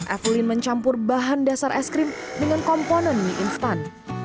evelyn mencampur bahan dasar es krim dengan komponen mie instan